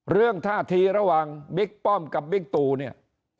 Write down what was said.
เรื่องท่าทีระหว่างบิ๊กป้อมกับบิ๊กตูเนี่ย